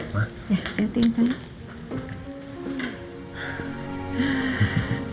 ya liatin pak